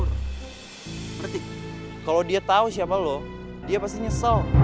berarti kalo dia tau siapa lo dia pasti nyesel